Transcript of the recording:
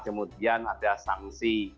kemudian ada sanksi